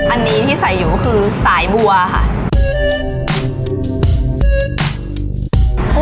อันนี้ที่ใส่อยู่ก็คือสายบัวค่ะ